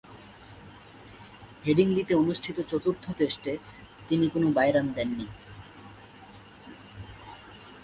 হেডিংলিতে অনুষ্ঠিত চতুর্থ টেস্টে তিনি কোন বাই রান দেননি।